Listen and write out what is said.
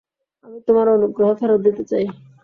আমি তোমার অনুগ্রহ ফেরত দিতে চাই।